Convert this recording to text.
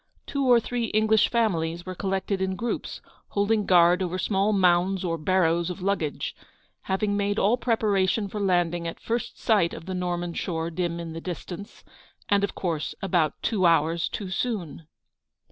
Two or three English families were collected in groups, holding guard over small mounds or barrows of luggage, having made all preparation for landing at first sight of the Norman shore dim in the distance ; and of course about two hours too soon.